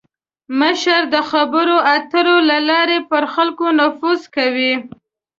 مشر د خبرو اترو له لارې پر خلکو نفوذ کوي.